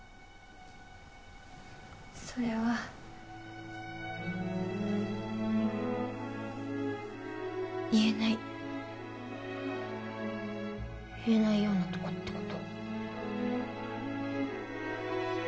それは言えない言えないようなとこってこと？